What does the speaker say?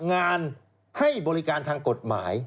งานให้บริการทางกฎหมาย